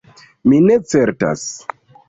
"Mi ne certas."